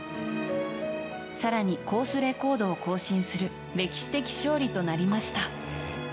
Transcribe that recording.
更にコースレコードを更新する歴史的勝利となりました。